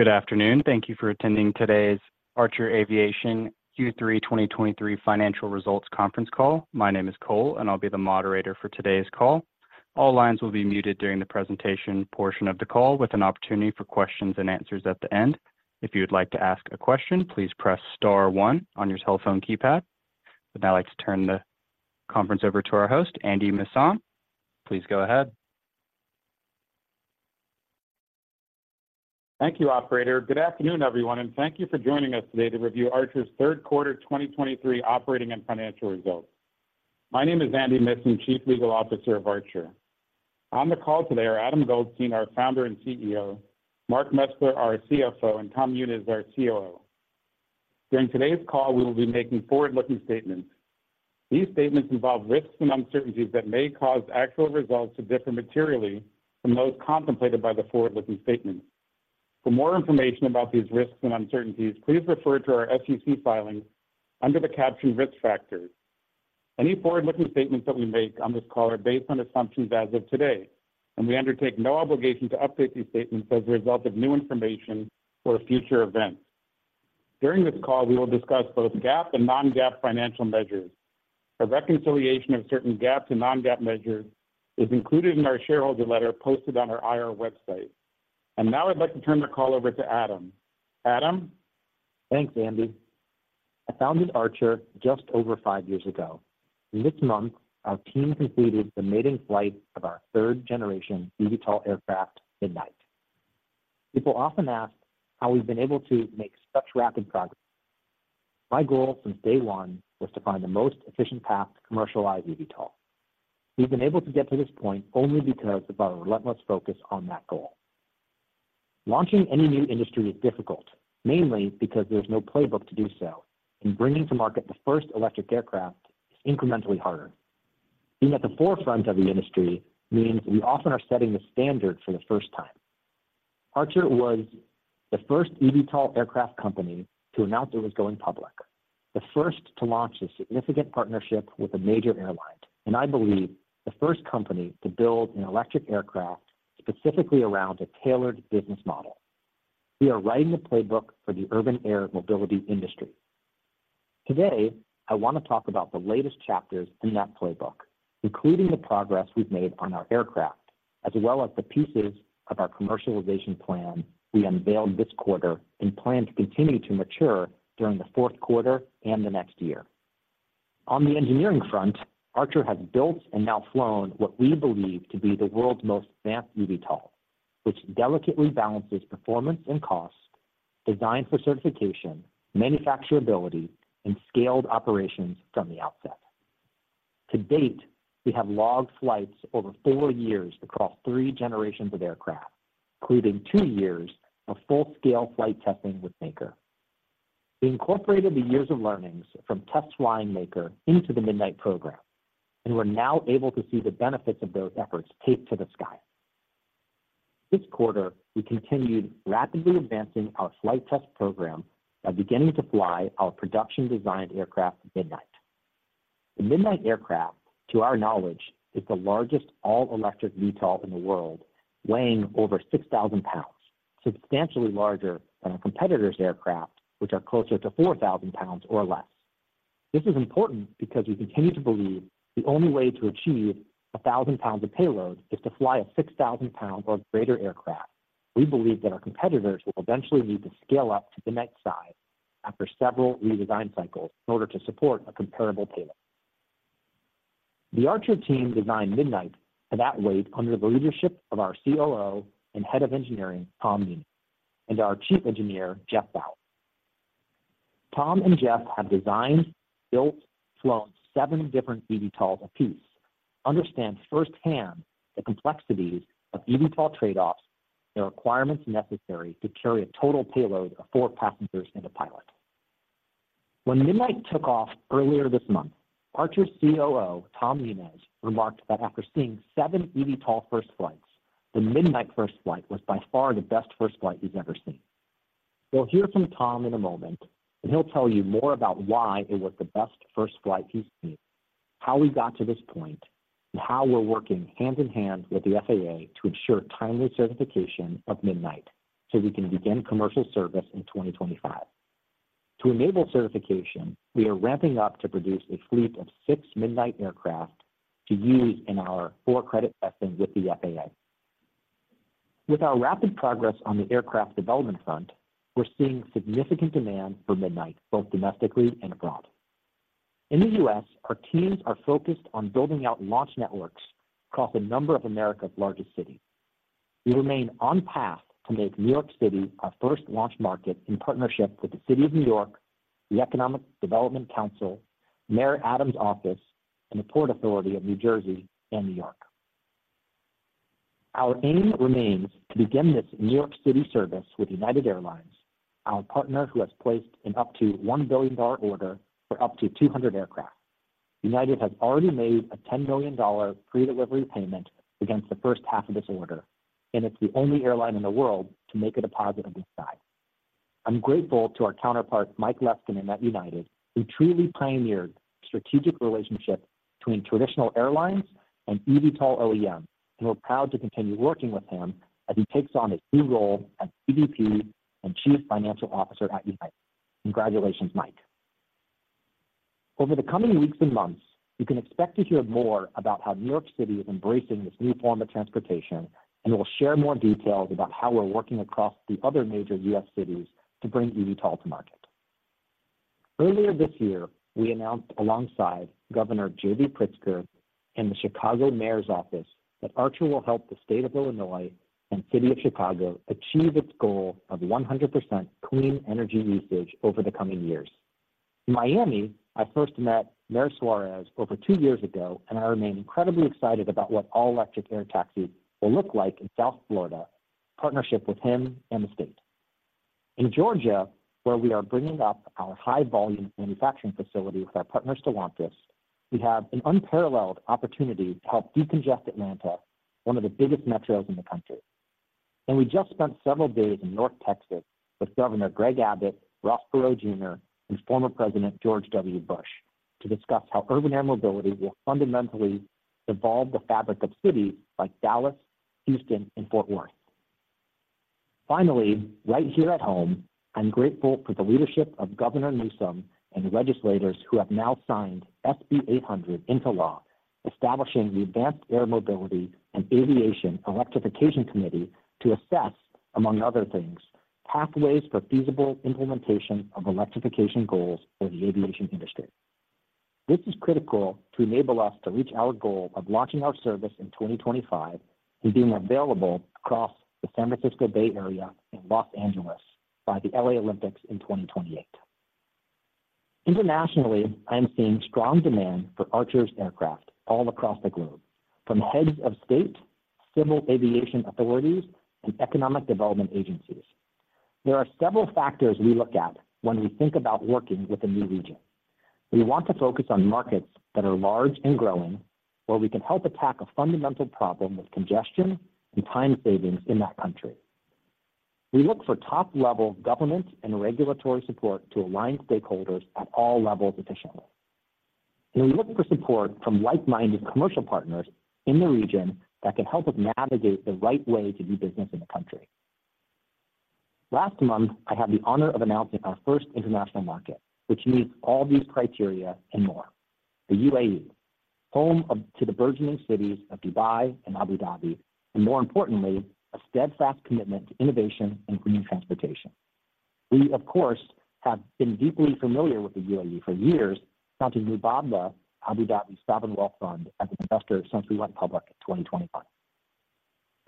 Good afternoon. Thank you for attending today's Archer Aviation Q3 2023 financial results conference call. My name is Cole, and I'll be the moderator for today's call. All lines will be muted during the presentation portion of the call, with an opportunity for Q&A at the end. If you would like to ask a question, please press star one on your telephone keypad. I'd now like to turn the conference over to our host, Andy Missan. Please go ahead. Thank you, operator. Good afternoon, everyone, and thank you for joining us today to review Archer's Q3 2023 operating and financial results. My name is Andy Missan, Chief Legal Officer of Archer. On the call today are Adam Goldstein, our founder and CEO, Mark Mesler, our CFO, and Tom Muniz, our COO. During today's call, we will be making forward-looking statements. These statements involve risks and uncertainties that may cause actual results to differ materially from those contemplated by the forward-looking statement. For more information about these risks and uncertainties, please refer to our SEC filings under the caption Risk Factors. Any forward-looking statements that we make on this call are based on assumptions as of today, and we undertake no obligation to update these statements as a result of new information or future events. During this call, we will discuss both GAAP and non-GAAP financial measures. A reconciliation of certain GAAP and non-GAAP measures is included in our shareholder letter posted on our IR website. Now I'd like to turn the call over to Adam. Adam? Thanks, Andy. I founded Archer just over five years ago. This month, our team completed the maiden flight of our third generation eVTOL aircraft, Midnight. People often ask how we've been able to make such rapid progress. My goal since day one was to find the most efficient path to commercialize eVTOL. We've been able to get to this point only because of our relentless focus on that goal. Launching any new industry is difficult, mainly because there's no playbook to do so, and bringing to market the first electric aircraft is incrementally harder. Being at the forefront of the industry means we often are setting the standard for the first time. Archer was the first eVTOL aircraft company to announce it was going public, the first to launch a significant partnership with a major airline, and I believe the first company to build an electric aircraft specifically around a tailored business model. We are writing the playbook for the urban air mobility industry. Today, I want to talk about the latest chapters in that playbook, including the progress we've made on our aircraft, as well as the pieces of our commercialization plan we unveiled this quarter and plan to continue to mature during the Q4 and the next year. On the engineering front, Archer has built and now flown what we believe to be the world's most advanced eVTOL, which delicately balances performance and cost, designed for certification, manufacturability, and scaled operations from the outset. To date, we have logged flights over four years across three generations of aircraft, including two years of full-scale flight testing with Maker. We incorporated the years of learnings from test flying Maker into the Midnight program, and we're now able to see the benefits of those efforts take to the sky. This quarter, we continued rapidly advancing our flight test program by beginning to fly our production-designed aircraft, Midnight. The Midnight aircraft, to our knowledge, is the largest all-electric eVTOL in the world, weighing over 6,000 pounds, substantially larger than our competitors' aircraft, which are closer to 4,000 pounds or less. This is important because we continue to believe the only way to achieve 1,000 pounds of payload is to fly a 6,000 pound or greater aircraft. We believe that our competitors will eventually need to scale up to the next size after several redesign cycles in order to support a comparable payload. The Archer team designed Midnight at that weight under the leadership of our COO and Head of Engineering, Tom Muniz, and our Chief Engineer, Geoff Bower. Tom and Geoff have designed, built, flown seven different eVTOLs apiece, understand firsthand the complexities of eVTOL trade-offs and the requirements necessary to carry a total payload of four passengers and a pilot. When Midnight took off earlier this month, Archer's COO, Tom Muniz, remarked that after seeing seven eVTOL first flights, the Midnight first flight was by far the best first flight he's ever seen. We'll hear from Tom in a moment, and he'll tell you more about why it was the best first flight he's seen, how we got to this point, and how we're working hand in hand with the FAA to ensure timely certification of Midnight so we can begin commercial service in 2025. To enable certification, we are ramping up to produce a fleet of six Midnight aircraft to use in our Type Certificate testing with the FAA. With our rapid progress on the aircraft development front, we're seeing significant demand for Midnight, both domestically and abroad. In the U.S., our teams are focused on building out launch networks across a number of America's largest cities. We remain on path to make New York City our first launch market in partnership with the City of New York, the Economic Development Council, Mayor Adams' office, and the Port Authority of New York and New Jersey. Our aim remains to begin this New York City service with United Airlines, our partner who has placed an up to $1 billion order for up to 200 aircraft. United has already made a $10 million pre-delivery payment against the first half of this order, and it's the only airline in the world to make a deposit of this size. I'm grateful to our counterpart, Mike Leskinen, at United, who truly pioneered strategic relationship between traditional airlines and eVTOL OEM, and we're proud to continue working with him as he takes on his new role as EVP and Chief Financial Officer at United. Congratulations, Mike. Over the coming weeks and months, you can expect to hear more about how New York City is embracing this new form of transportation, and we'll share more details about how we're working across the other major U.S. cities to bring eVTOL to market. Earlier this year, we announced alongside Governor J.B. Pritzker and the Chicago Mayor's Office, that Archer will help the state of Illinois and City of Chicago achieve its goal of 100% clean energy usage over the coming years. In Miami, I first met Mayor Suarez over two years ago, and I remain incredibly excited about what all-electric air taxis will look like in South Florida, partnership with him and the state. In Georgia, where we are bringing up our high-volume manufacturing facility with our partners to launch this, we have an unparalleled opportunity to help decongest Atlanta, one of the biggest metros in the country. We just spent several days in North Texas with Governor Greg Abbott, Ross Perot Jr., and former President George W. Bush, to discuss how urban air mobility will fundamentally evolve the fabric of cities like Dallas, Houston, and Fort Worth. Finally, right here at home, I'm grateful for the leadership of Governor Newsom and the legislators who have now signed SB 800 into law, establishing the Advanced Air Mobility and Aviation Electrification Committee to assess, among other things, pathways for feasible implementation of electrification goals for the aviation industry. This is critical to enable us to reach our goal of launching our service in 2025 and being available across the San Francisco Bay Area and Los Angeles by the LA Olympics in 2028. Internationally, I am seeing strong demand for Archer's aircraft all across the globe, from heads of state, civil aviation authorities, and economic development agencies. There are several factors we look at when we think about working with a new region. We want to focus on markets that are large and growing, where we can help attack a fundamental problem of congestion and time savings in that country. We look for top-level government and regulatory support to align stakeholders at all levels efficiently. And we look for support from like-minded commercial partners in the region that can help us navigate the right way to do business in the country. Last month, I had the honor of announcing our first international market, which meets all these criteria and more. The UAE, home to the burgeoning cities of Dubai and Abu Dhabi, and more importantly, a steadfast commitment to innovation and clean transportation. We, of course, have been deeply familiar with the UAE for years, thanks to Mubadala, Abu Dhabi's sovereign wealth fund, as an investor since we went public in 2021.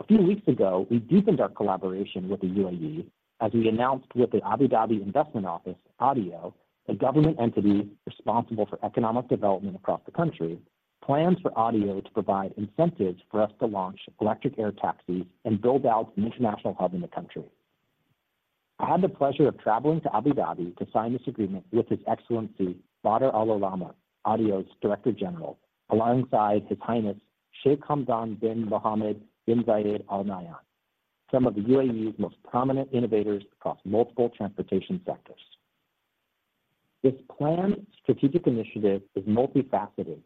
A few weeks ago, we deepened our collaboration with the UAE as we announced with the Abu Dhabi Investment Office, ADIO, a government entity responsible for economic development across the country, plans for ADIO to provide incentives for us to launch electric air taxis and build out an international hub in the country. I had the pleasure of traveling to Abu Dhabi to sign this agreement with His Excellency Badr Al-Olama, ADIO's Director General, alongside His Highness Sheikh Hamdan bin Mohammed bin Zayed Al Nahyan, some of the UAE's most prominent innovators across multiple transportation sectors. This planned strategic initiative is multifaceted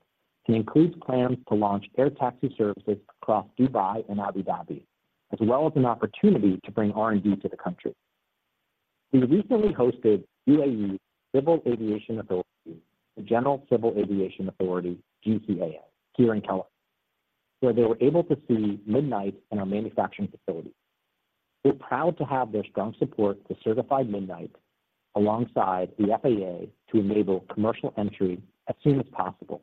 and includes plans to launch air taxi services across Dubai and Abu Dhabi, as well as an opportunity to bring R&D to the country. We recently hosted UAE Civil Aviation Authority, the General Civil Aviation Authority, GCAA, here in California, where they were able to see Midnight in our manufacturing facility. We're proud to have their strong support to certify Midnight alongside the FAA to enable commercial entry as soon as possible,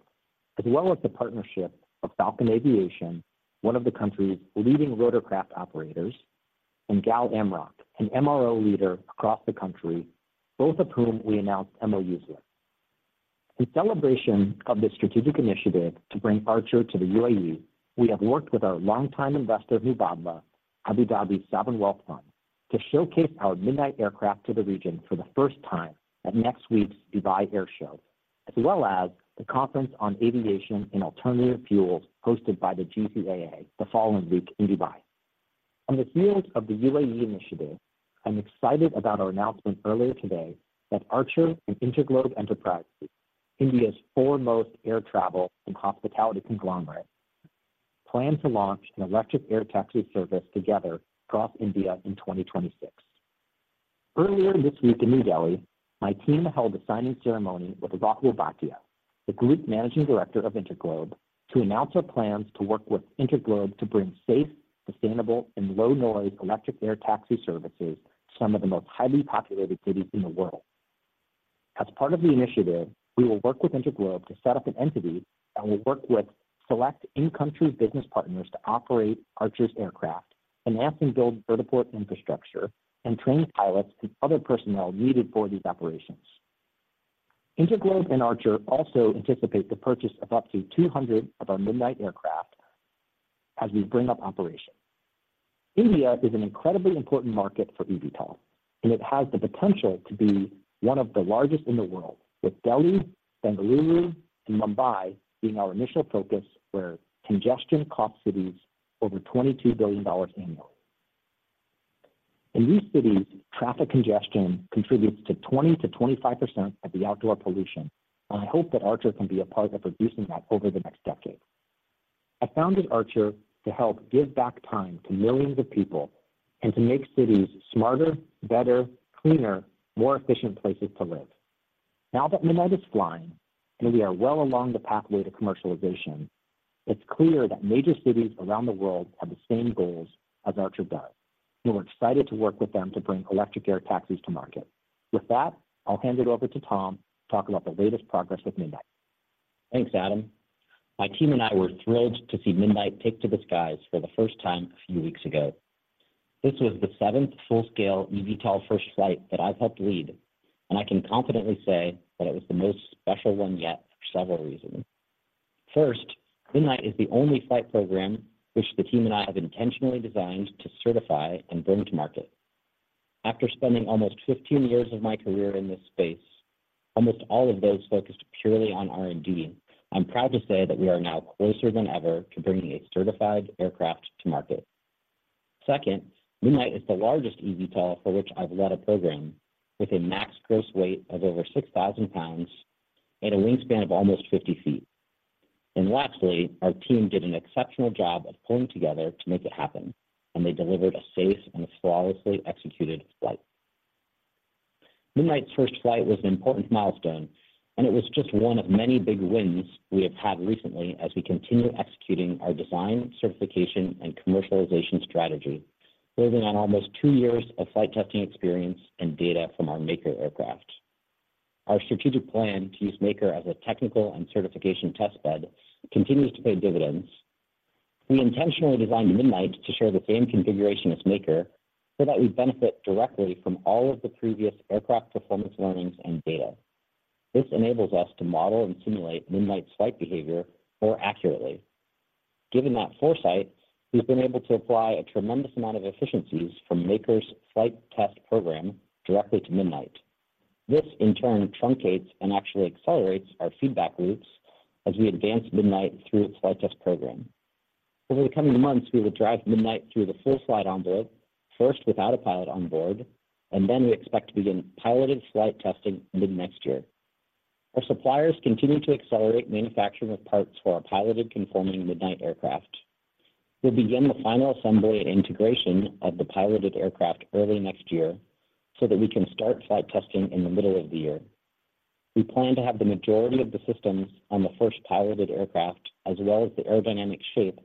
as well as the partnership of Falcon Aviation, one of the country's leading rotorcraft operators, and GAL-MRO, an MRO leader across the country, both of whom we announced MOUs with. In celebration of this strategic initiative to bring Archer to the UAE, we have worked with our longtime investor, Mubadala, Abu Dhabi's Sovereign Wealth Fund, to showcase our Midnight aircraft to the region for the first time at next week's Dubai Airshow, as well as the Conference on Aviation and Alternative Fuels, hosted by the GCAA, the following week in Dubai. On the heels of the UAE initiative, I'm excited about our announcement earlier today that Archer and InterGlobe Enterprises, India's foremost air travel and hospitality conglomerate, plan to launch an electric air taxi service together across India in 2026. Earlier this week in New Delhi, my team held a signing ceremony with Rakesh Gangwal, the Group Managing Director of InterGlobe, to announce our plans to work with InterGlobe to bring safe, sustainable, and low-noise electric air taxi services to some of the most highly populated cities in the world. As part of the initiative, we will work with InterGlobe to set up an entity that will work with select in-country business partners to operate Archer's aircraft, enhance and build vertiport infrastructure, and train pilots and other personnel needed for these operations. InterGlobe and Archer also anticipate the purchase of up to 200 of our Midnight aircraft as we bring up operations. India is an incredibly important market for eVTOL, and it has the potential to be one of the largest in the world, with Delhi, Bengaluru, and Mumbai being our initial focus where congestion costs cities over $22 billion annually. In these cities, traffic congestion contributes to 20% to 25% of the outdoor pollution, and I hope that Archer can be a part of reducing that over the next decade. I founded Archer to help give back time to millions of people and to make cities smarter, better, cleaner, more efficient places to live. Now that Midnight is flying, and we are well along the pathway to commercialization, it's clear that major cities around the world have the same goals as Archer does, and we're excited to work with them to bring electric air taxis to market. With that, I'll hand it over to Tom to talk about the latest progress with Midnight. Thanks, Adam. My team and I were thrilled to see Midnight take to the skies for the first time a few weeks ago. This was the seventh full-scale eVTOL first flight that I've helped lead, and I can confidently say that it was the most special one yet for several reasons. First, Midnight is the only flight program which the team and I have intentionally designed to certify and bring to market. After spending almost 15 years of my career in this space, almost all of those focused purely on R&D, I'm proud to say that we are now closer than ever to bringing a certified aircraft to market. Second, Midnight is the largest eVTOL for which I've led a program, with a max gross weight of over 6,000 pounds and a wingspan of almost 50 feet. And lastly, our team did an exceptional job of pulling together to make it happen, and they delivered a safe and flawlessly executed flight. Midnight's first flight was an important milestone, and it was just one of many big wins we have had recently as we continue executing our design, certification, and commercialization strategy, building on almost two years of flight testing experience and data from our Maker aircraft. Our strategic plan to use Maker as a technical and certification test bed continues to pay dividends. We intentionally designed Midnight to share the same configuration as Maker so that we benefit directly from all of the previous aircraft performance learnings and data. This enables us to model and simulate Midnight's flight behavior more accurately. Given that foresight, we've been able to apply a tremendous amount of efficiencies from Maker's flight test program directly to Midnight. This, in turn, truncates and actually accelerates our feedback loops as we advance Midnight through its flight test program. Over the coming months, we will drive Midnight through the full flight envelope, first without a pilot on board, and then we expect to begin piloted flight testing mid-next year. Our suppliers continue to accelerate manufacturing of parts for our piloted conforming Midnight aircraft. We'll begin the final assembly and integration of the piloted aircraft early next year so that we can start flight testing in the middle of the year. We plan to have the majority of the systems on the first piloted aircraft, as well as the aerodynamic shape,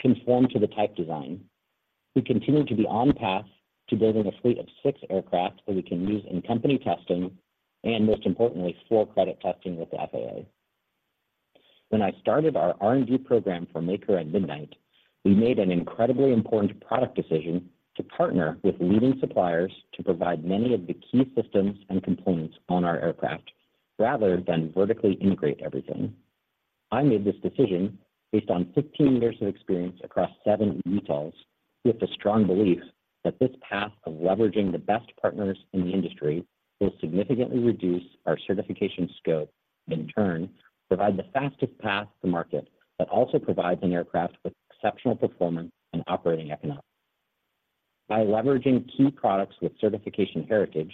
conform to the type design. We continue to be on path to building a fleet of six aircraft that we can use in company testing and, most importantly, for credit testing with the FAA. When I started our R&D program for Maker and Midnight, we made an incredibly important product decision to partner with leading suppliers to provide many of the key systems and components on our aircraft, rather than vertically integrate everything. I made this decision based on 15 years of experience across seven eVTOLs, with the strong belief that this path of leveraging the best partners in the industry will significantly reduce our certification scope, and in turn, provide the fastest path to market, but also provides an aircraft with exceptional performance and operating economics. By leveraging key products with certification heritage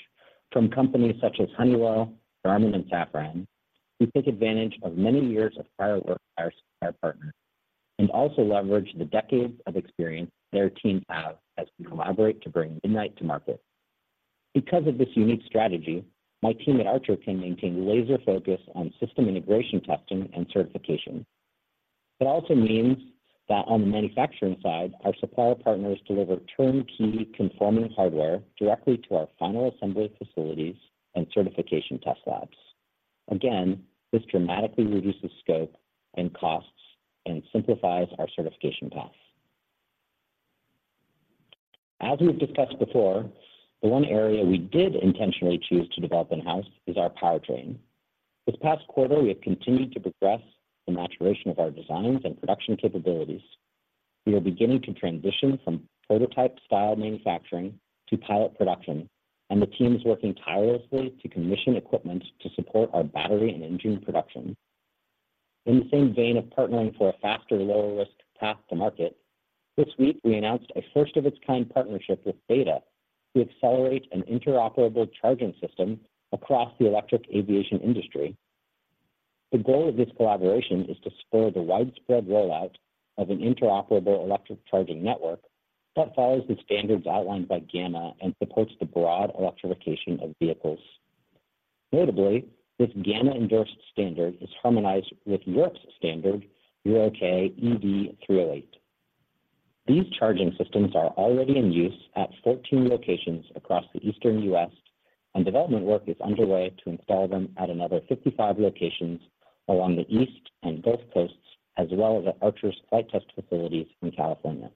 from companies such as Honeywell, Garmin, and Safran, we take advantage of many years of prior work by our supplier partners and also leverage the decades of experience their teams have as we collaborate to bring Midnight to market. Because of this unique strategy, my team at Archer can maintain laser focus on system integration, testing, and certification. It also means that on the manufacturing side, our supplier partners deliver turnkey conforming hardware directly to our final assembly facilities and certification test labs. Again, this dramatically reduces scope and costs and simplifies our certification path. As we've discussed before, the one area we did intentionally choose to develop in-house is our powertrain. This past quarter, we have continued to progress the maturation of our designs and production capabilities. We are beginning to transition from prototype-style manufacturing to pilot production, and the team is working tirelessly to commission equipment to support our battery and engine production. In the same vein of partnering for a faster, lower-risk path to market, this week we announced a first-of-its-kind partnership with BETA Technologies to accelerate an interoperable charging system across the electric aviation industry. The goal of this collaboration is to spur the widespread rollout of an interoperable electric charging network that follows the standards outlined by GAMA and supports the broad electrification of vehicles. Notably, this GAMA-endorsed standard is harmonized with Europe's standard, EUROCAE ED-308. These charging systems are already in use at 14 locations across the Eastern U.S., and development work is underway to install them at another 55 locations along the East and West Coasts, as well as at Archer's flight test facilities in California.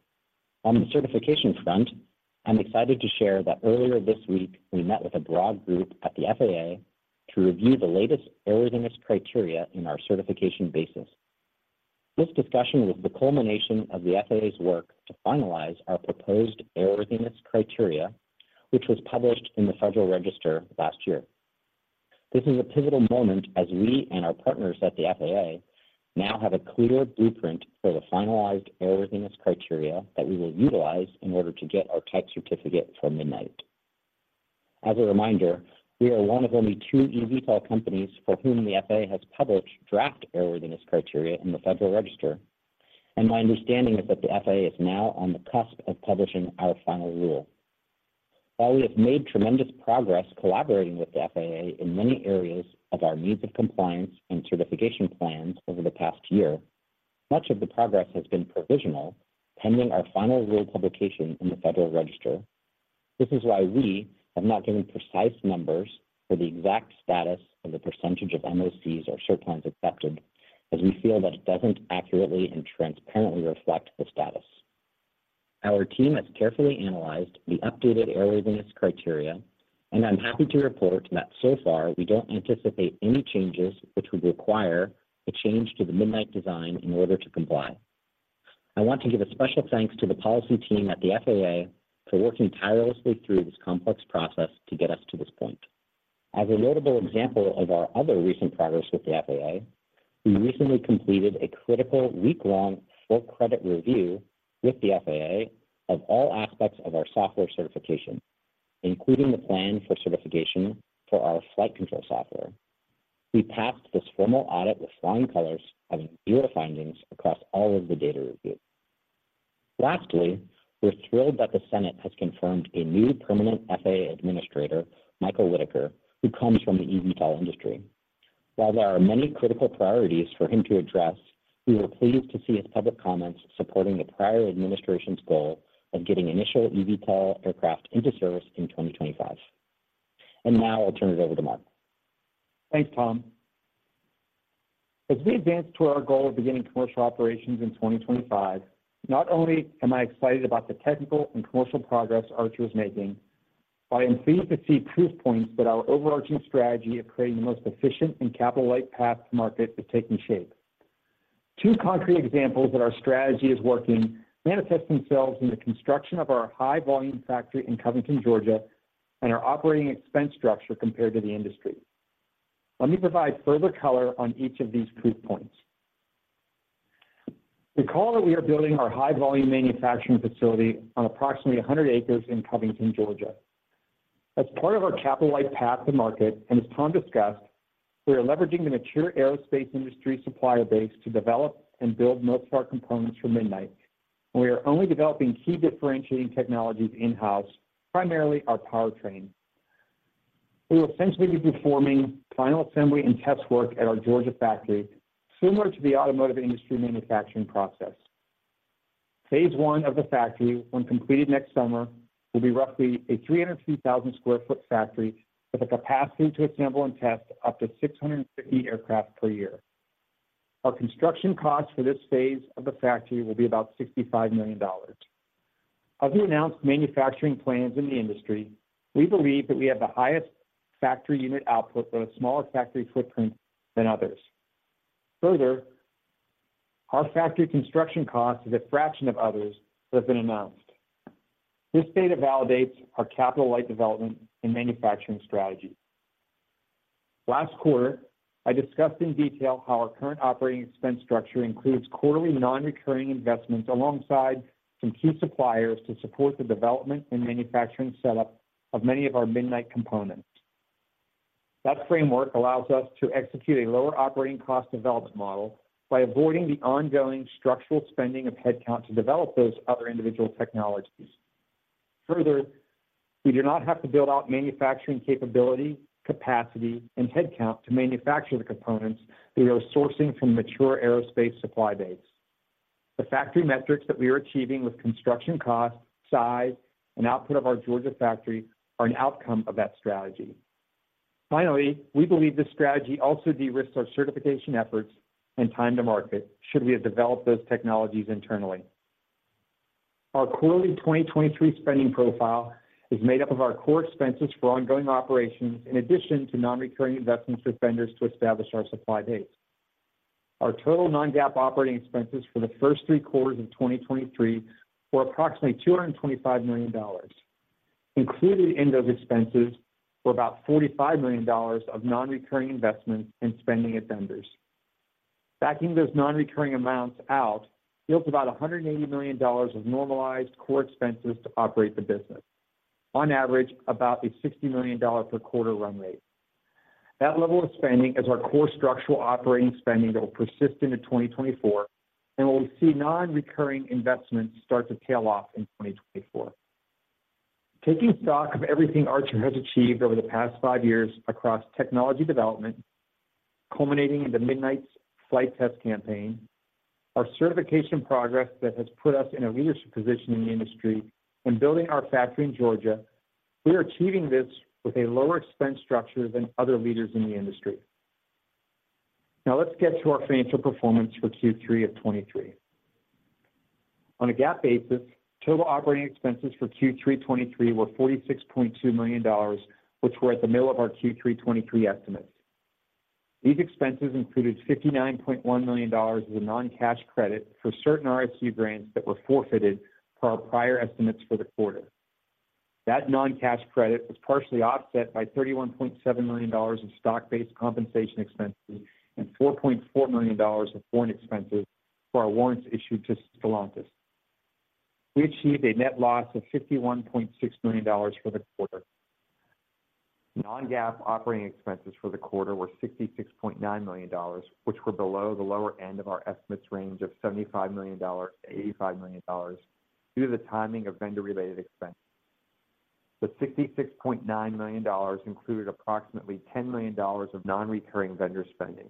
On the certification front, I'm excited to share that earlier this week, we met with a broad group at the FAA to review the latest airworthiness criteria in our certification basis. This discussion was the culmination of the FAA's work to finalize our proposed airworthiness criteria, which was published in the Federal Register last year. This is a pivotal moment as we and our partners at the FAA now have a clear blueprint for the finalized airworthiness criteria that we will utilize in order to get our type certificate for Midnight. As a reminder, we are one of only two eVTOL companies for whom the FAA has published draft airworthiness criteria in the Federal Register, and my understanding is that the FAA is now on the cusp of publishing our final rule. While we have made tremendous progress collaborating with the FAA in many areas of our means of compliance and certification plans over the past year, much of the progress has been provisional, pending our final rule publication in the Federal Register. This is why we have not given precise numbers for the exact status of the percentage of MOCs or cert plans accepted, as we feel that it doesn't accurately and transparently reflect the status. Our team has carefully analyzed the updated Airworthiness Criteria, and I'm happy to report that so far, we don't anticipate any changes which would require a change to the Midnight design in order to comply. I want to give a special thanks to the policy team at the FAA for working tirelessly through this complex process to get us to this point. As a notable example of our other recent progress with the FAA, we recently completed a critical week-long full credit review with the FAA of all aspects of our software certification, including the plan for certification for our flight control software. We passed this formal audit with flying colors, having zero findings across all of the data reviewed. Lastly, we're thrilled that the Senate has confirmed a new permanent FAA Administrator, Michael Whitaker, who comes from the eVTOL industry. While there are many critical priorities for him to address, we were pleased to see his public comments supporting the prior administration's goal of getting initial eVTOL aircraft into service in 2025. And now I'll turn it over to Mark. Thanks, Tom. As we advance to our goal of beginning commercial operations in 2025, not only am I excited about the technical and commercial progress Archer is making, but I am pleased to see proof points that our overarching strategy of creating the most efficient and capital-light path to market is taking shape. Two concrete examples that our strategy is working manifest themselves in the construction of our high-volume factory in Covington, Georgia, and our operating expense structure compared to the industry. Let me provide further color on each of these proof points. Recall that we are building our high-volume manufacturing facility on approximately 100 acres in Covington, Georgia. As part of our capital-light path to market, and as Tom discussed, we are leveraging the mature aerospace industry supplier base to develop and build most of our components for Midnight. We are only developing key differentiating technologies in-house, primarily our powertrain. We will essentially be performing final assembly and test work at our Georgia factory, similar to the automotive industry manufacturing process. Phase one of the factory, when completed next summer, will be roughly a 302,000 sq ft factory with a capacity to assemble and test up to 650 aircraft per year. Our construction cost for this phase of the factory will be about $65 million. As we announce manufacturing plans in the industry, we believe that we have the highest factory unit output with a smaller factory footprint than others. Further, our factory construction cost is a fraction of others that have been announced. This data validates our capital-light development and manufacturing strategy. Last quarter, I discussed in detail how our current operating expense structure includes quarterly non-recurring investments alongside some key suppliers to support the development and manufacturing setup of many of our Midnight components. That framework allows us to execute a lower operating cost development model by avoiding the ongoing structural spending of headcount to develop those other individual technologies. Further, we do not have to build out manufacturing capability, capacity, and headcount to manufacture the components we are sourcing from mature aerospace supply base. The factory metrics that we are achieving with construction cost, size, and output of our Georgia factory are an outcome of that strategy. Finally, we believe this strategy also de-risks our certification efforts and time to market, should we have developed those technologies internally. Our quarterly 2023 spending profile is made up of our core expenses for ongoing operations, in addition to non-recurring investments with vendors to establish our supply base. Our total non-GAAP operating expenses for the first three quarters of 2023 were approximately $225 million. Included in those expenses were about $45 million of non-recurring investments and spending with vendors. Backing those non-recurring amounts out yields about $180 million of normalized core expenses to operate the business. On average, about a $60 million per quarter run rate. That level of spending is our core structural operating spending that will persist into 2024, and where we see non-recurring investments start to tail off in 2024. Taking stock of everything Archer has achieved over the past five years across technology development, culminating in the Midnight's flight test campaign, our certification progress that has put us in a leadership position in the industry, and building our factory in Georgia, we are achieving this with a lower expense structure than other leaders in the industry. Now let's get to our financial performance for Q3 of 2023. On a GAAP basis, total operating expenses for Q3 2023 were $46.2 million, which were at the middle of our Q3 2023 estimate. These expenses included $59.1 million as a non-cash credit for certain RSC grants that were forfeited per our prior estimates for the quarter. That non-cash credit was partially offset by $31.7 million in stock-based compensation expenses and $4.4 million of foreign expenses for our warrants issued to Stellantis. We achieved a net loss of $51.6 million for the quarter. Non-GAAP operating expenses for the quarter were $66.9 million, which were below the lower end of our estimates range of $75 million to 85 million, due to the timing of vendor-related expenses. The $66.9 million included approximately $10 million of non-recurring vendor spending.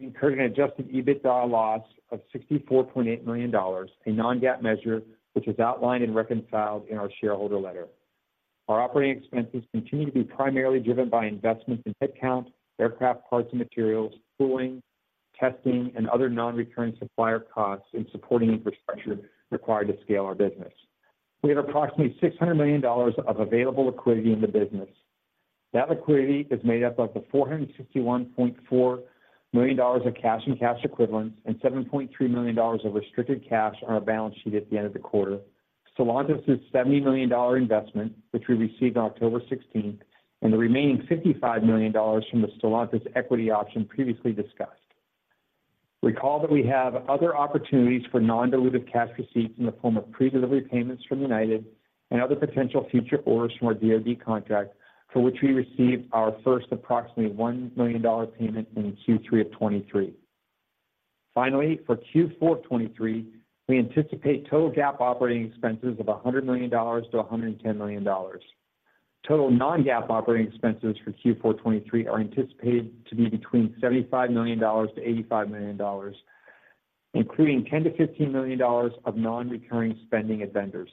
We incurred an Adjusted EBITDA loss of $64.8 million, a non-GAAP measure, which is outlined and reconciled in our shareholder letter. Our operating expenses continue to be primarily driven by investments in headcount, aircraft, parts and materials, tooling, testing, and other non-recurring supplier costs in supporting infrastructure required to scale our business. We have approximately $600 million of available liquidity in the business. That liquidity is made up of the $461.4 million of cash and cash equivalents, and $7.3 million of restricted cash on our balance sheet at the end of the quarter. Stellantis's $70 million investment, which we received on October 16, and the remaining $55 million from the Stellantis equity option previously discussed. Recall that we have other opportunities for non-dilutive cash receipts in the form of predelivery payments from United and other potential future orders from our DoD contract, for which we received our first approximately $1 million payment in Q3 of 2023. Finally, for Q4 of 2023, we anticipate total GAAP operating expenses of $100 million to 110 million. Total non-GAAP operating expenses for Q4 2023 are anticipated to be between $75 million to 85 million, including $10 million to 15 million of non-recurring spending at vendors.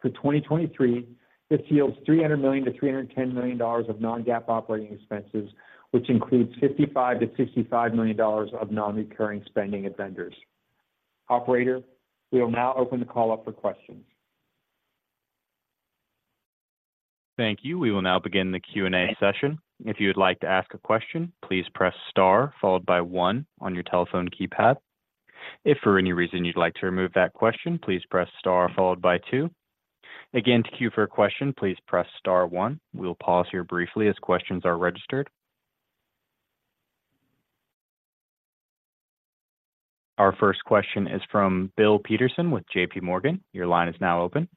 For 2023, this yields $300 million to 310 million of non-GAAP operating expenses, which includes $55 million to 65 million of non-recurring spending at vendors. Operator, we will now open the call up for questions. Thank you. We will now begin the Q&A session. If you would like to ask a question, please press star followed by one on your telephone keypad. If for any reason you'd like to remove that question, please press star followed by two. Again, to queue for a question, please press star one. We'll pause here briefly as questions are registered. Our first question is from Bill Peterson with JPMorgan. Your line is now open.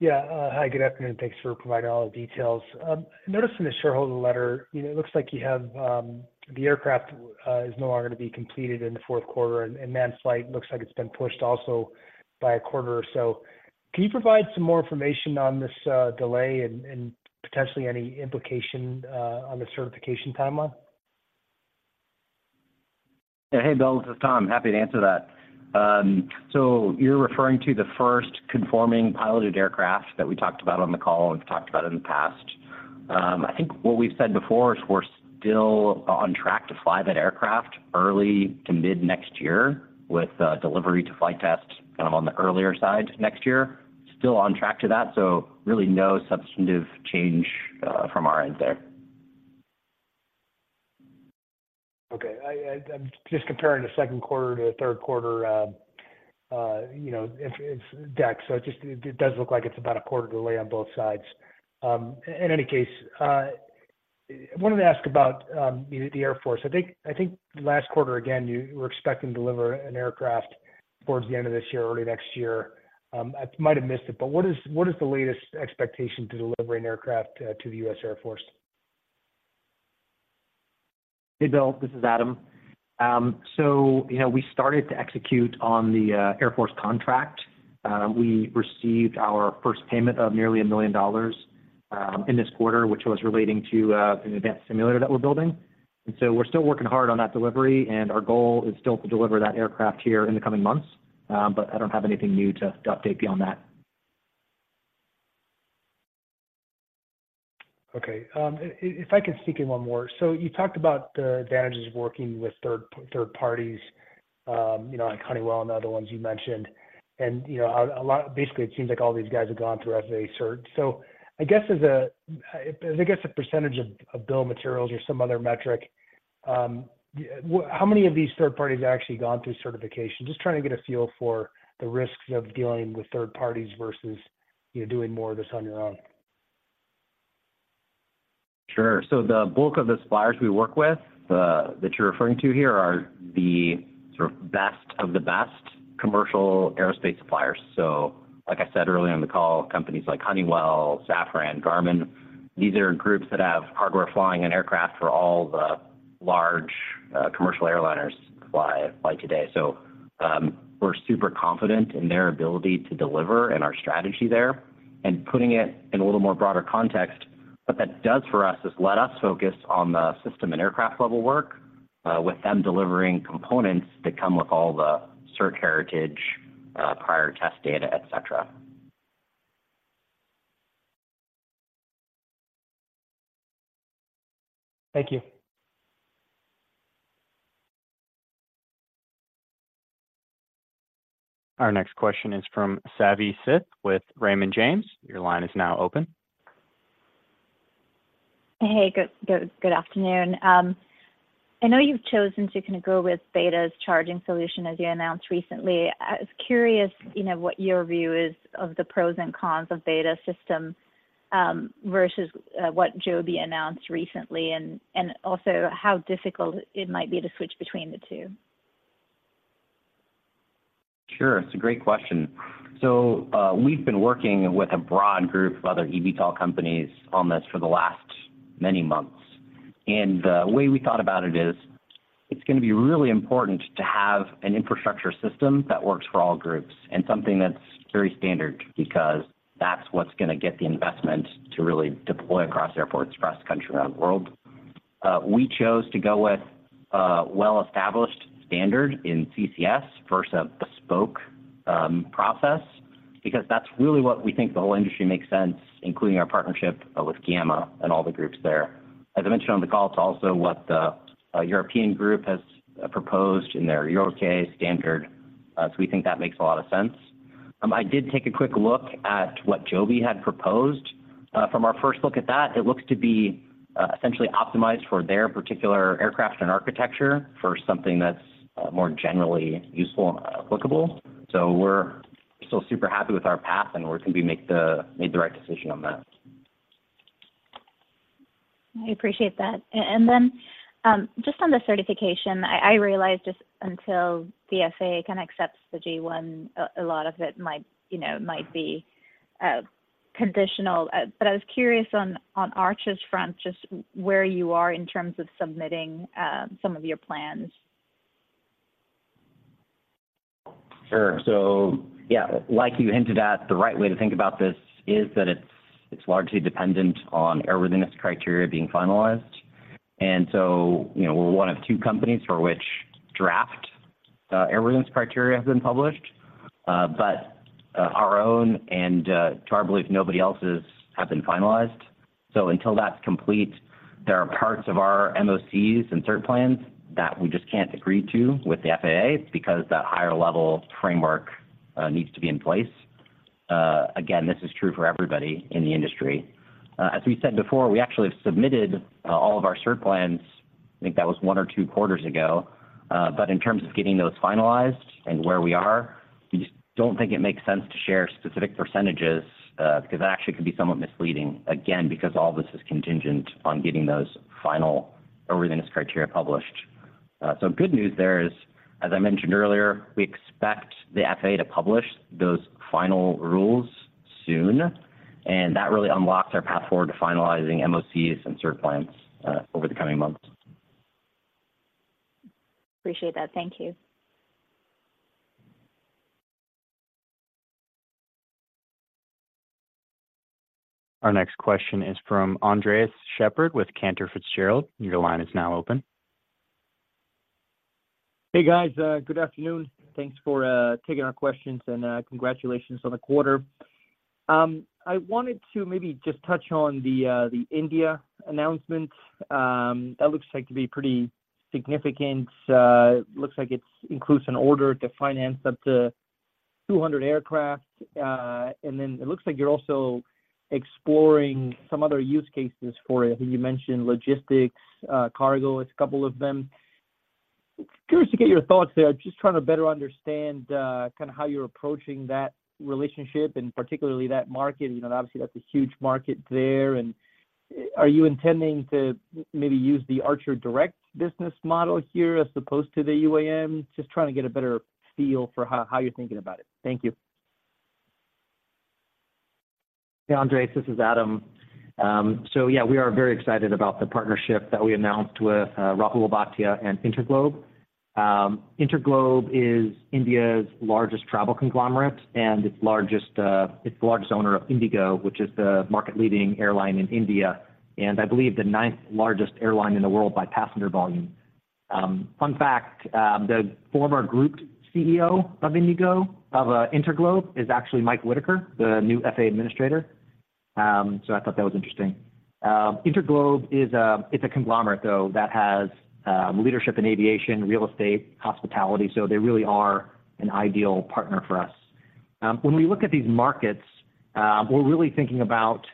Yeah. Hi, good afternoon. Thanks for providing all the details. I noticed in the shareholder letter, you know, it looks like you have the aircraft is no longer going to be completed in the Q4, and manned flight looks like it's been pushed also by a quarter or so. Can you provide some more information on this delay and potentially any implication on the certification timeline? Hey, Bill, this is Tom. Happy to answer that. So you're referring to the first conforming piloted aircraft that we talked about on the call and talked about in the past. I think what we've said before is we're still on track to fly that aircraft early to mid next year, with delivery to flight test kind of on the earlier side next year. Still on track to that, so really no substantive change from our end there. Okay. I'm just comparing the Q2 to the Q3, you know, it's deck. So, it does look like it's about a quarter delay on both sides. In any case, I wanted to ask about the Air Force. I think last quarter, again, you were expecting to deliver an aircraft towards the end of this year or early next year. I might have missed it, but what is the latest expectation to deliver an aircraft to the U.S. Air Force? Hey, Bill, this is Adam. So, you know, we started to execute on the Air Force contract. We received our first payment of nearly $1 million in this quarter, which was relating to an advanced simulator that we're building. And so we're still working hard on that delivery, and our goal is still to deliver that aircraft here in the coming months. But I don't have anything new to update beyond that. Okay. If I could sneak in one more. So you talked about the advantages of working with third parties, you know, like Honeywell and the other ones you mentioned. And, you know, a lot basically, it seems like all these guys have gone through FAA cert. So I guess as a, as, I guess, a percentage of bill of materials or some other metric, what, how many of these third parties have actually gone through certification? Just trying to get a feel for the risks of dealing with third parties versus, you know, doing more of this on your own. Sure. So the bulk of the suppliers we work with, that you're referring to here, are the sort of best of the best commercial aerospace suppliers. So like I said earlier on the call, companies like Honeywell, Safran, Garmin, these are groups that have hardware flying and aircraft for all the large commercial airliners fly today. So we're super confident in their ability to deliver and our strategy there. And putting it in a little more broader context, what that does for us is let us focus on the system and aircraft level work with them delivering components that come with all the cert heritage, prior test data, etcetera. Thank you. Our next question is from Savi Syth with Raymond James. Your line is now open. Hey, good afternoon. I know you've chosen to kind of go with BETA's charging solution, as you announced recently. I was curious, you know, what your view is of the pros and cons of BETA system versus what Joby announced recently, and also how difficult it might be to switch between the two? Sure. It's a great question. So, we've been working with a broad group of other eVTOL companies on this for the last many months. And the way we thought about it is, it's going to be really important to have an infrastructure system that works for all groups and something that's very standard, because that's what's going to get the investment to really deploy across airports, across the country, around the world. We chose to go with a well-established standard in CCS versus a bespoke, process, because that's really what we think the whole industry makes sense, including our partnership with GAMA and all the groups there. As I mentioned on the call, it's also what the, European group has proposed in their EUROCAE standard, so we think that makes a lot of sense. I did take a quick look at what Joby had proposed. From our first look at that, it looks to be essentially optimized for their particular aircraft and architecture for something that's more generally useful and applicable. So we're still super happy with our path, and we think we made the right decision on that. I appreciate that. And then, just on the certification, I realized just until the FAA kind of accepts the G-1, a lot of it might, you know, might be conditional. But I was curious on Archer's front, just where you are in terms of submitting some of your plans. Sure. So yeah, like you hinted at, the right way to think about this is that it's, it's largely dependent on airworthiness criteria being finalized. And so, you know, we're one of two companies for which draft airworthiness criteria has been published, but our own and, to our belief, nobody else's, have been finalized. So until that's complete, there are parts of our MOCs and cert plans that we just can't agree to with the FAA, because that higher level framework needs to be in place. Again, this is true for everybody in the industry. As we said before, we actually have submitted all of our cert plans. I think that was one or two quarters ago. But in terms of getting those finalized and where we are, we just don't think it makes sense to share specific percentages, because that actually can be somewhat misleading, again, because all this is contingent on getting those final airworthiness criteria published. So good news there is, as I mentioned earlier, we expect the FAA to publish those final rules soon, and that really unlocks our path forward to finalizing MOCs and cert plans, over the coming months. Appreciate that. Thank you. Our next question is from Andres Sheppard with Cantor Fitzgerald. Your line is now open. Hey, guys. Good afternoon. Thanks for taking our questions, and congratulations on the quarter. I wanted to maybe just touch on the India announcement. That looks like to be pretty significant. It looks like it includes an order to finance up to 200 aircraft, and then it looks like you're also exploring some other use cases for it. I think you mentioned logistics, cargo, as a couple of them. Curious to get your thoughts there. Just trying to better understand kind of how you're approaching that relationship, and particularly that market. You know, obviously, that's a huge market there, and are you intending to maybe use the Archer direct business model here as opposed to the UAM? Just trying to get a better feel for how you're thinking about it. Thank you. Hey, Andres, this is Adam. So yeah, we are very excited about the partnership that we announced with Rahul Bhatia and InterGlobe. InterGlobe is India's largest travel conglomerate and its largest; it's the largest owner of IndiGo, which is the market leading airline in India, and I believe the ninth largest airline in the world by passenger volume. Fun fact, the former group CEO of IndiGo of InterGlobe, is actually Mike Whitaker, the new FAA administrator. So I thought that was interesting. InterGlobe is a, it's a conglomerate, though, that has leadership in aviation, real estate, hospitality, so they really are an ideal partner for us. When we look at these markets, we're really thinking about,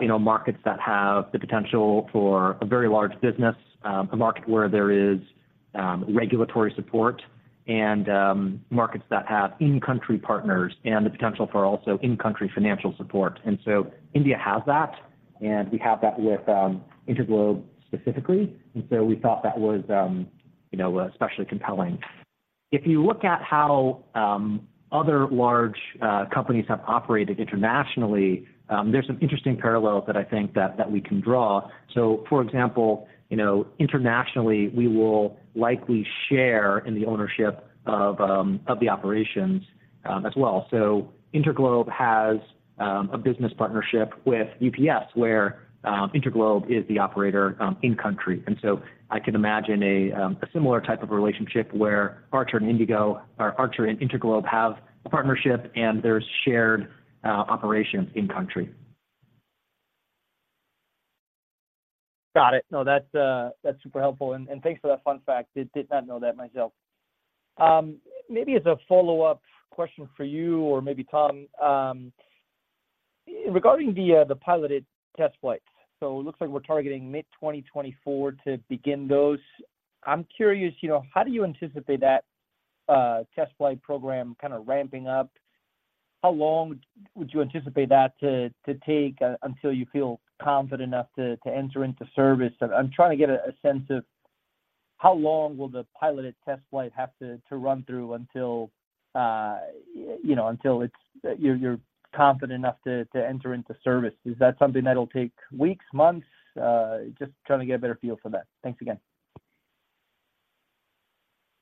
you know, markets that have the potential for a very large business, a market where there is regulatory support and markets that have in-country partners and the potential for also in-country financial support. And so India has that, and we have that with InterGlobe specifically. And so we thought that was, you know, especially compelling. If you look at how other large companies have operated internationally, there's some interesting parallels that I think we can draw. So for example, you know, internationally, we will likely share in the ownership of the operations as well. So InterGlobe has a business partnership with UPS, where InterGlobe is the operator in-country. And so I can imagine a similar type of relationship where Archer and IndiGo, or Archer and InterGlobe, have a partnership, and there's shared operations in country. Got it. No, that's, that's super helpful, and, and thanks for that fun fact. Did, did not know that myself. Maybe as a follow-up question for you, or maybe Tom, regarding the, the piloted test flights. So it looks like we're targeting mid-2024 to begin those. I'm curious, you know, how do you anticipate that, test flight program kind of ramping up? How long would you anticipate that to, to take, until you feel confident enough to, to enter into service? I'm trying to get a, a sense of how long will the piloted test flight have to, to run through until, you know, until it's, you're, you're confident enough to, to enter into service. Is that something that'll take weeks, months? Just trying to get a better feel for that. Thanks again.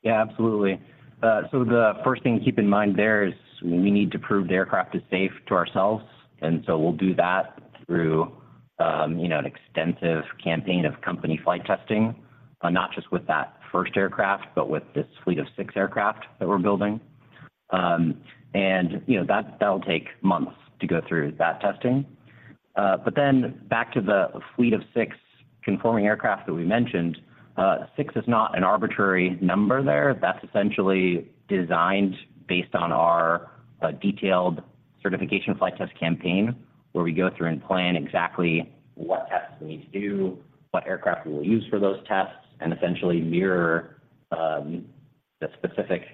Yeah, absolutely. So the first thing to keep in mind there is we need to prove the aircraft is safe to ourselves, and so we'll do that through, you know, an extensive campaign of company flight testing. Not just with that first aircraft, but with this fleet of six aircraft that we're building. And, you know, that- that'll take months to go through that testing. But then back to the fleet of six conforming aircraft that we mentioned, six is not an arbitrary number there. That's essentially designed based on our detailed certification flight test campaign, where we go through and plan exactly what tests we need to do, what aircraft we will use for those tests, and essentially mirror the specific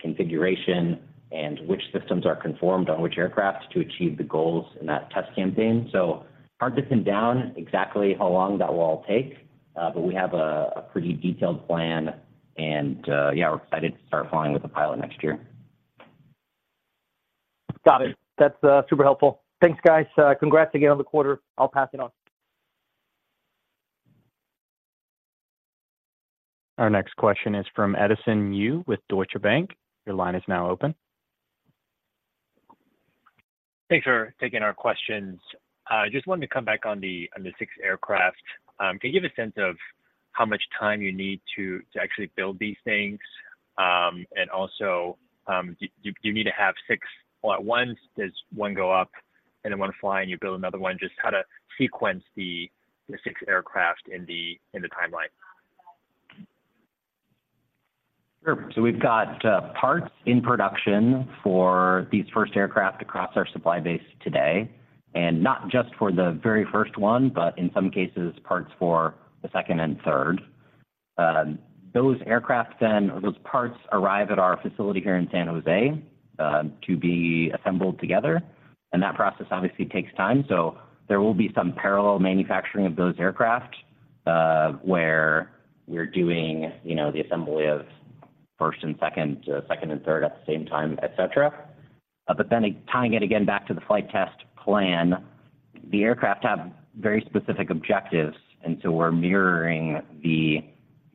configuration and which systems are conformed on which aircraft to achieve the goals in that test campaign. So hard to pin down exactly how long that will all take, but we have a pretty detailed plan and, yeah, we're excited to start flying with the pilot next year. Got it. That's super helpful. Thanks, guys. Congrats again on the quarter. I'll pass it on. Our next question is from Edison Yu with Deutsche Bank. Your line is now open. Thanks for taking our questions. Just wanted to come back on the six aircraft. Can you give a sense of how much time you need to actually build these things? And also, do you need to have six or once does one go up and then one fly, and you build another one? Just how to sequence the six aircraft in the timeline. Sure. So we've got, parts in production for these first aircraft across our supply base today, and not just for the very first one, but in some cases, parts for the second and third. Those aircraft then, or those parts arrive at our facility here in San Jose, to be assembled together, and that process obviously takes time. So there will be some parallel manufacturing of those aircraft, where we're doing, you know, the assembly of first and second, second and third at the same time, et cetera. But then tying it again back to the flight test plan, the aircraft have very specific objectives, and so we're mirroring the-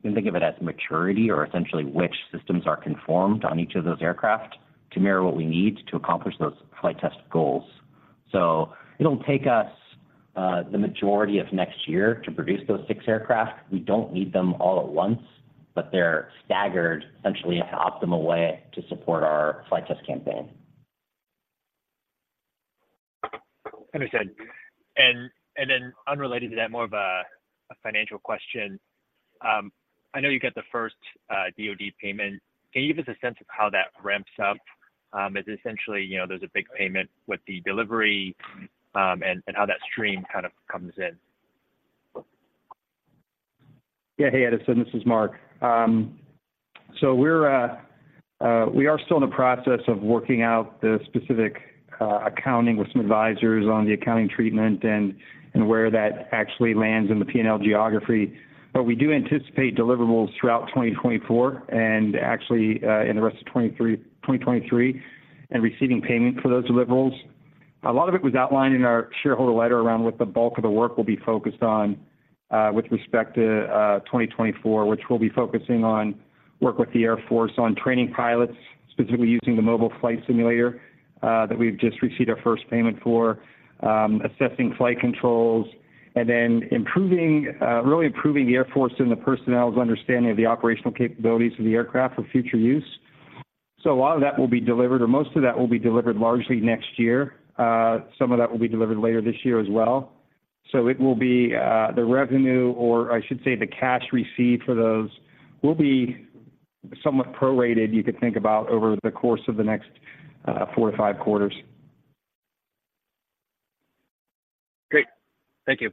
You can think of it as maturity or essentially which systems are conformed on each of those aircraft to mirror what we need to accomplish those flight test goals. It'll take us the majority of next year to produce those six aircraft. We don't need them all at once, but they're staggered essentially in an optimal way to support our flight test campaign. Understood. And then unrelated to that, more of a financial question. I know you got the first DoD payment. Can you give us a sense of how that ramps up? Is it essentially, you know, there's a big payment with the delivery, and how that stream kind of comes in? Yeah. Hey, Edison, this is Mark. So we're still in the process of working out the specific accounting with some advisors on the accounting treatment and where that actually lands in the P&L geography. But we do anticipate deliverables throughout 2024 and actually in the rest of 2023, and receiving payment for those deliverables. A lot of it was outlined in our shareholder letter around what the bulk of the work will be focused on with respect to 2024, which we'll be focusing on work with the Air Force on training pilots, specifically using the mobile flight simulator that we've just received our first payment for, assessing flight controls and then improving, really improving the Air Force and the personnel's understanding of the operational capabilities of the aircraft for future use. A lot of that will be delivered, or most of that will be delivered largely next year. Some of that will be delivered later this year as well. It will be the revenue, or I should say, the cash received for those will be somewhat prorated, you could think about over the course of the next four to five quarters. Great. Thank you.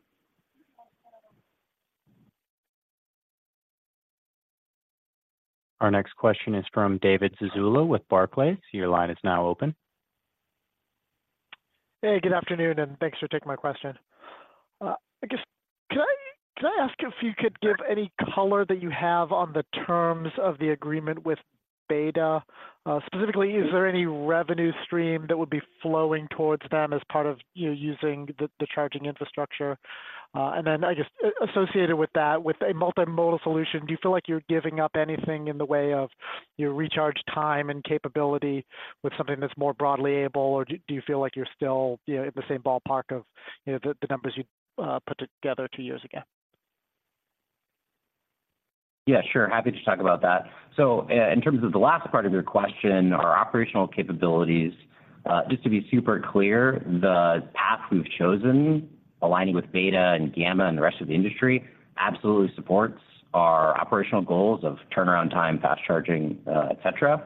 Our next question is from David Zazula with Barclays. Your line is now open. Hey, good afternoon, and thanks for taking my question. I guess, could I ask if you could give any color that you have on the terms of the agreement with BETA? Specifically, is there any revenue stream that would be flowing towards them as part of, you know, using the, the charging infrastructure? And then, I guess, associated with that, with a multimodal solution, do you feel like you're giving up anything in the way of your recharge time and capability with something that's more broadly able, or do you feel like you're still, you know, in the same ballpark of, you know, the, the numbers you put together two years ago? Yeah, sure. Happy to talk about that. So in terms of the last part of your question, our operational capabilities, just to be super clear, the path we've chosen, aligning with BETA and GAMA and the rest of the industry, absolutely supports our operational goals of turnaround time, fast charging, et cetera.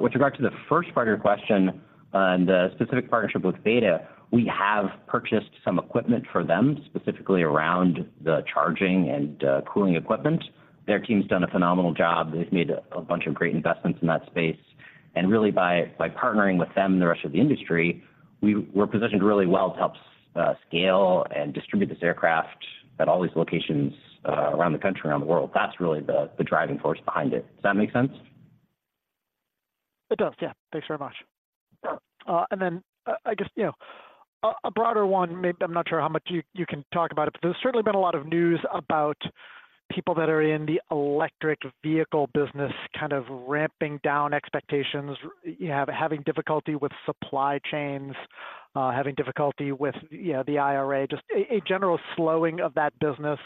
With regard to the first part of your question on the specific partnership with BETA, we have purchased some equipment for them, specifically around the charging and cooling equipment. Their team's done a phenomenal job. They've made a bunch of great investments in that space, and really by partnering with them and the rest of the industry, we're positioned really well to help scale and distribute this aircraft at all these locations, around the country and around the world. That's really the driving force behind it. Does that make sense? It does, yeah. Thanks very much. And then, I guess, you know, a broader one, maybe I'm not sure how much you can talk about it, but there's certainly been a lot of news about people that are in the electric vehicle business kind of ramping down expectations. Having difficulty with supply chains, having difficulty with, you know, the IRA, just a general slowing of that business.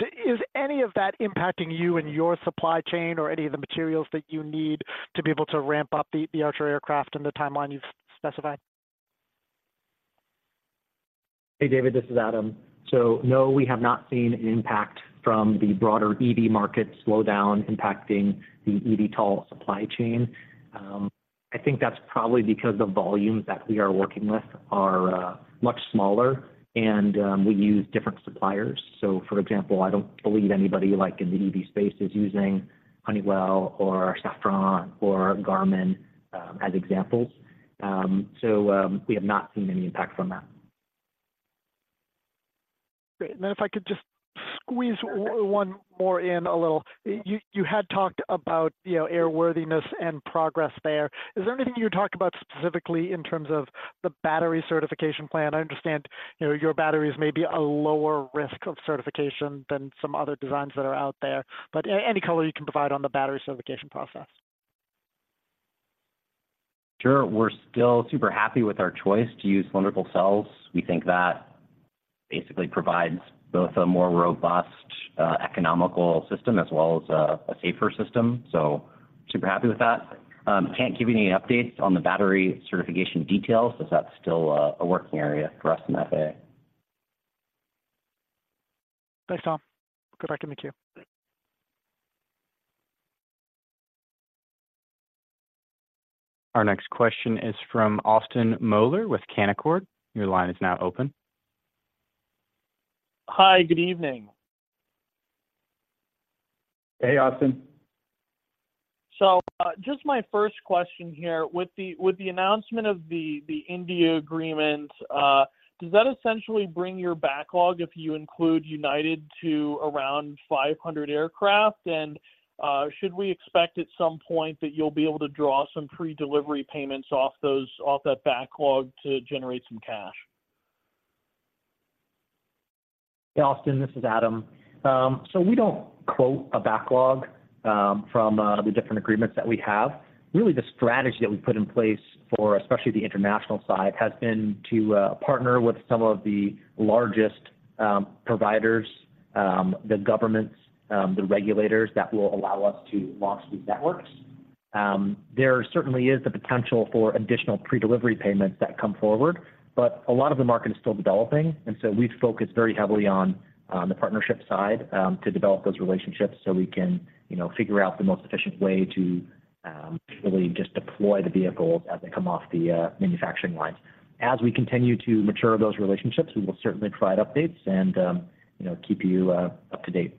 Is any of that impacting you and your supply chain or any of the materials that you need to be able to ramp up the Archer aircraft and the timeline you've specified? Hey, David, this is Adam. So, no, we have not seen an impact from the broader EV market slowdown impacting the eVTOL supply chain. I think that's probably because the volumes that we are working with are much smaller, and we use different suppliers. So, for example, I don't believe anybody like in the EV space is using Honeywell or Safran or Garmin, as examples. So, we have not seen any impact from that. Great. And then if I could just squeeze Perfect You, you had talked about, you know, airworthiness and progress there. Is there anything you can talk about specifically in terms of the battery certification plan? I understand, you know, your batteries may be a lower risk of certification than some other designs that are out there, but any color you can provide on the battery certification process. Sure. We're still super happy with our choice to use Molicel cells. We think that basically provides both a more robust, economical system as well as a safer system, so super happy with that. Can't give you any updates on the battery certification details, as that's still a working area for us in that area. Thanks, Tom. Good talking to you. Our next question is from Austin Moeller with Canaccord. Your line is now open. Hi, good evening. Hey, Austin. So, just my first question here: With the announcement of the India agreement, does that essentially bring your backlog, if you include United, to around 500 aircraft? And, should we expect at some point that you'll be able to draw some pre-delivery payments off those, off that backlog to generate some cash? Austin, this is Adam. So we don't quote a backlog from the different agreements that we have. Really, the strategy that we put in place for, especially the international side, has been to partner with some of the largest providers, the governments, the regulators that will allow us to launch these networks. There certainly is the potential for additional pre-delivery payments that come forward, but a lot of the market is still developing, and so we've focused very heavily on the partnership side to develop those relationships so we can, you know, figure out the most efficient way to really just deploy the vehicles as they come off the manufacturing lines. As we continue to mature those relationships, we will certainly provide updates and, you know, keep you up-to-date.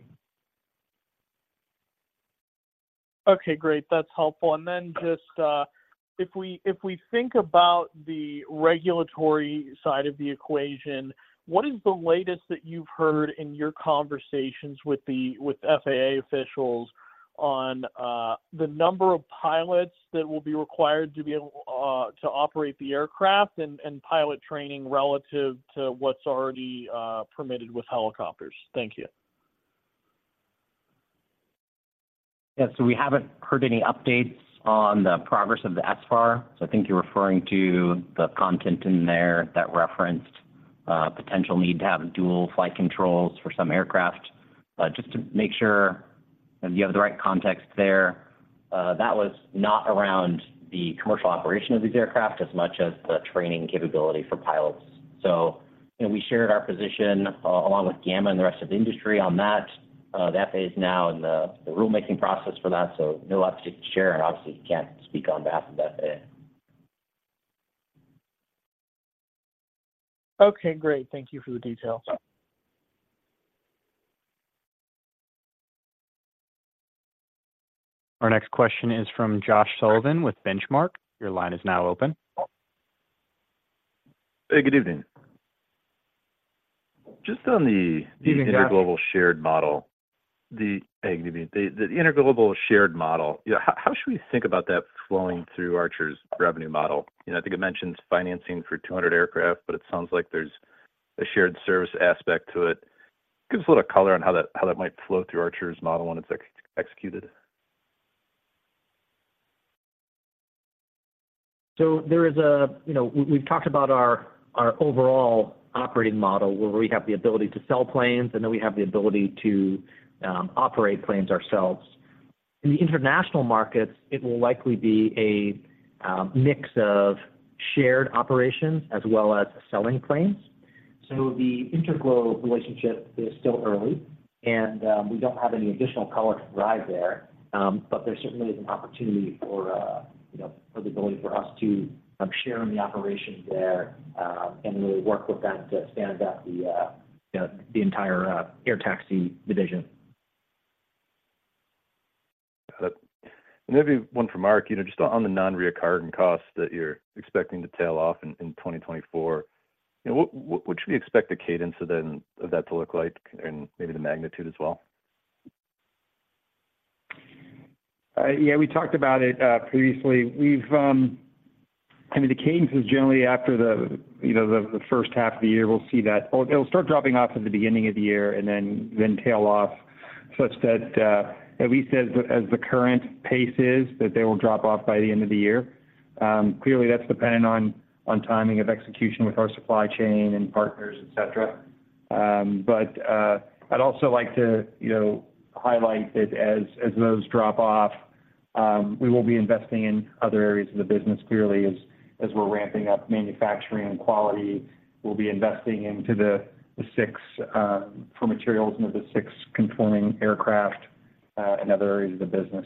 Okay, great. That's helpful. And then just, if we think about the regulatory side of the equation, what is the latest that you've heard in your conversations with the FAA officials on the number of pilots that will be required to be able to operate the aircraft and pilot training relative to what's already permitted with helicopters? Thank you. Yeah. So we haven't heard any updates on the progress of the SFAR. So I think you're referring to the content in there that referenced potential need to have dual flight controls for some aircraft. Just to make sure you have the right context there, that was not around the commercial operation of these aircraft as much as the training capability for pilots. So, you know, we shared our position along with GAMA and the rest of the industry on that. The FAA is now in the rulemaking process for that, so no updates to share, and obviously, we can't speak on behalf of the FAA. Okay, great. Thank you for the details. Our next question is from Josh Sullivan with Benchmark. Your line is now open. Hey, good evening. Just on the Evening, Josh the InterGlobe shared model. Hey, good evening. The InterGlobe shared model, yeah, how should we think about that flowing through Archer's revenue model? You know, I think it mentions financing for 200 aircraft, but it sounds like there's a shared service aspect to it. Give us a little color on how that might flow through Archer's model when it's executed. So there is a, you know, we, we've talked about our, our overall operating model, where we have the ability to sell planes, and then we have the ability to operate planes ourselves. In the international markets, it will likely be a mix of shared operations as well as selling planes. So the InterGlobe relationship is still early, and we don't have any additional details to provide there. But there certainly is an opportunity for, you know, for the ability for us to share in the operation there, and really work with them to stand up the, you know, the entire air taxi division. Got it. Maybe one for Mark, you know, just on the non-recurring costs that you're expecting to tail off in 2024. You know, what should we expect the cadence of them, of that to look like, and maybe the magnitude as well? Yeah, we talked about it previously. We've, I mean, the cadence is generally after the, you know, the first half of the year, we'll see that, or it'll start dropping off at the beginning of the year and then tail off such that, at least as the current pace is, that they will drop off by the end of the year. Clearly, that's dependent on timing of execution with our supply chain and partners, et cetera. But, I'd also like to, you know, highlight that as those drop off, we will be investing in other areas of the business. Clearly, as we're ramping up manufacturing and quality, we'll be investing into the six for materials into the six conforming aircraft, and other areas of the business.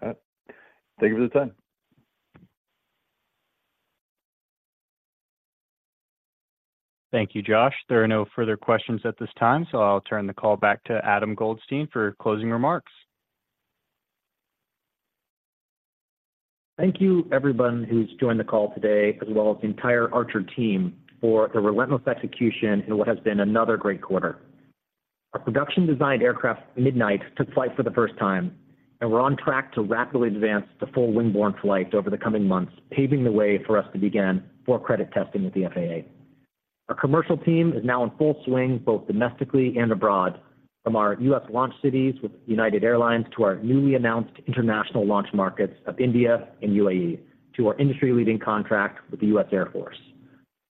Thank you for the time. Thank you, Josh. There are no further questions at this time, so I'll turn the call back to Adam Goldstein for closing remarks. Thank you, everyone, who's joined the call today, as well as the entire Archer team, for their relentless execution in what has been another great quarter. Our production-designed aircraft, Midnight, took flight for the first time, and we're on track to rapidly advance to full wing-borne flight over the coming months, paving the way for us to begin full credit testing with the FAA. Our commercial team is now in full swing, both domestically and abroad, from our U.S. launch cities with United Airlines to our newly announced international launch markets of India and UAE, to our industry-leading contract with the U.S. Air Force.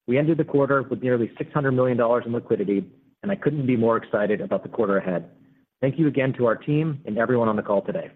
We ended the quarter with nearly $600 million in liquidity, and I couldn't be more excited about the quarter ahead. Thank you again to our team and everyone on the call today.